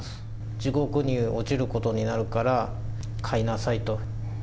地獄に落ちることになるから買いなさいと。